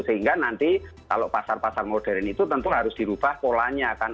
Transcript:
sehingga nanti kalau pasar pasar modern itu tentu harus dirubah polanya kan